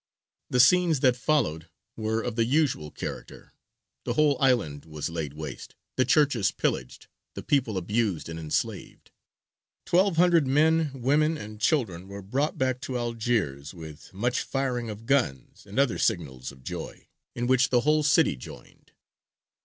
The scenes that followed were of the usual character; the whole island was laid waste, the churches pillaged, the people abused and enslaved. Twelve hundred men, women, and children were brought back to Algiers, with much firing of guns, and other signals of joy, in which the whole city joined.